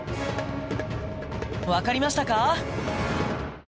わかりましたか？